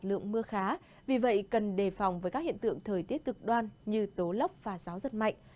lượng mưa khá vì vậy cần đề phòng với các hiện tượng thời tiết cực đoan như tố lốc và gió giật mạnh